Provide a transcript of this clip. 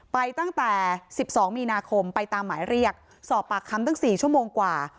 ไปตั้งแต่๑๒มีนาคมไปตามหมายเรียกสอบปากคำตั้ง๔ชั่วโมงกว่า